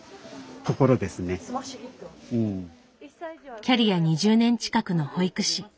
キャリア２０年近くの保育士。